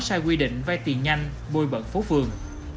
sai quy định vay tiền nhanh bôi bận phố phường